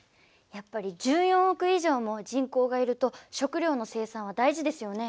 やっぱり１４億以上も人口がいると食料の生産は大事ですよね。